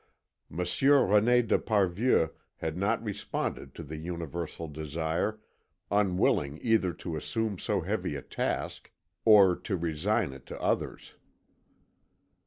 Monsieur René d'Esparvieu had not responded to the universal desire, unwilling either to assume so heavy a task, or to resign it to others.